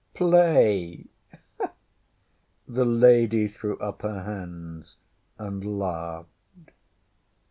ŌĆśPlay? ŌĆÖ The lady threw up her hands and laughed.